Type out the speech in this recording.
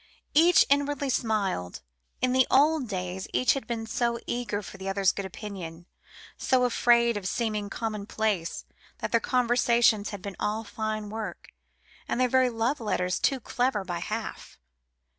Each inwardly smiled. In the old days each had been so eager for the other's good opinion, so afraid of seeming commonplace, that their conversations had been all fine work, and their very love letters too clever by half.